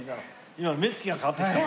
今目つきが変わってきた。